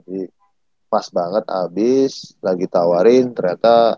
jadi pas banget abis lagi tawarin ternyata